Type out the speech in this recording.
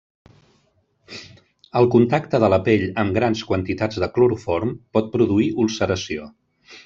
El contacte de la pell amb grans quantitats de cloroform pot produir ulceració.